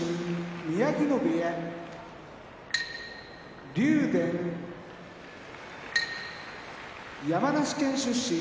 宮城野部屋竜電山梨県出身